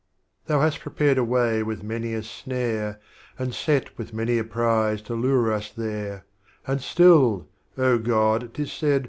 Thou hast prepared a Way with many a Snare, And set with many a Prize to lure us there, And still, Oh, God 't is said.